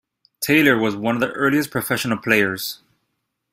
Taylor was one of the earliest professional players.